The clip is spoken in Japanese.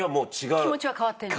気持ちは変わってるんだ。